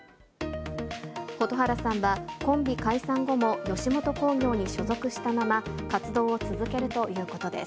蛍原さんは、コンビ解散後も吉本興業に所属したまま、活動を続けるということです。